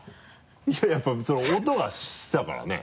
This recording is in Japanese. いややっぱ音がしてたからね。